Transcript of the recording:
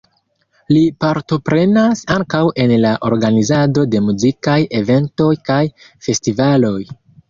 Li partoprenas ankaŭ en la organizado de muzikaj eventoj kaj festivaloj.